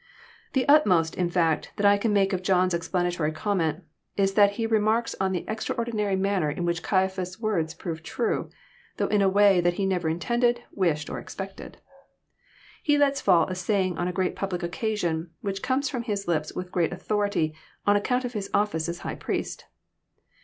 The utmost, in fact, that I can make of John's explanatory comment, is that he remarks on the extraordinary manner in which Caiaphas' words proved true, though in a way that he never intended, wished, or expected. He lets fall a saying on a great public occasion, which comes ttom. his lips with great authority, on account of his office as high priest.